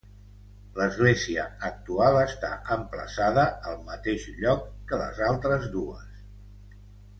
L'església actual està emplaçada al mateix lloc que les altres dues.